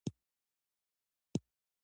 درد مو کله کمیږي؟